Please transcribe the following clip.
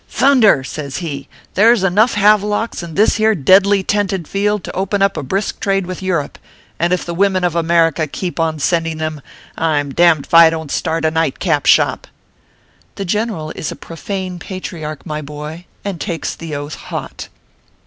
Thun der I" says he, " there s enough havelocks in this here deadly tented field to open a brisk trade with Europe, and if the women of America keep on sending them, I m d d if I don t start a night cap shop/ The general is a profane patriarch, my boy, and takes the Oath hot.